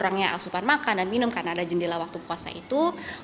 kurangnya asupan makan dan minum karena ada jendela waktu puasa itu